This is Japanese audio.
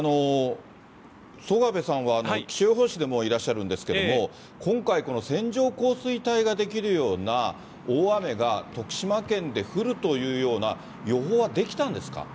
宗我部さんは、気象予報士でもいらっしゃるんですけれども、今回、この線状降水帯ができるような大雨が、徳島県で降るというような予報はできたんですか？